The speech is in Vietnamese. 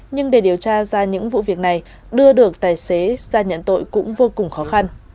nhưng để điều tra ra những vụ việc này đưa được tài xế ra nhận tội cũng vô cùng khó khăn